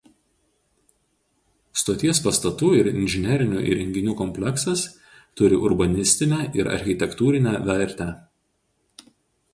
Stoties pastatų ir inžinerinių įrenginių kompleksas turi urbanistinę ir architektūrinę vertę.